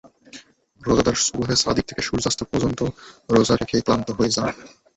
রোজাদার সুবহে সাদিক থেকে সূর্যাস্ত পর্যন্ত রোজা রেখে ক্লান্ত হয়ে যান।